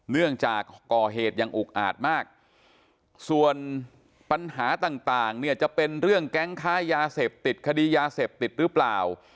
เนื่องจากก่อเหตุอย่างอุกอาจมากส่วนปัญหาต่างเนี่ยจะเป็นเรื่องแก๊งค้ายาเสพติดคดียาเสพติดหรือเปล่า